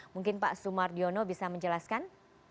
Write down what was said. mungkin pak sumardiono bisa menjelaskan